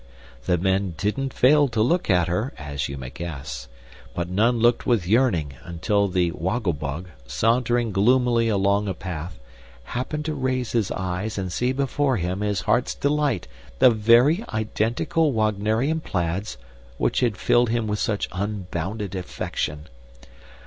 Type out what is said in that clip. The men didn't fail to look at her, as you may guess; but none looked with yearning until the Woggle Bug, sauntering gloomily along a path, happened to raise his eyes and see before him his heart's delight the very identical Wagnerian plaids which had filled him with such unbounded affection.